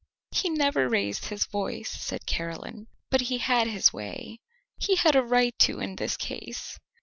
"He never raised his voice," said Caroline; "but he had his way." "He had a right to in this case."